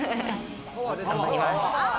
頑張ります！